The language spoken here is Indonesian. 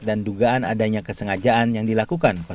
dan dugaan adanya kesengajaan yang dilakukan